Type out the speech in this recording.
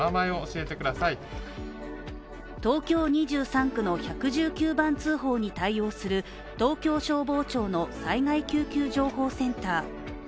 東京２３区の１１９番通報に対応する東京消防庁の災害救急情報センター。